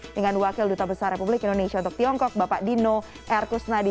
dengan wakil duta besar republik indonesia untuk tiongkok bapak dino erkusnadi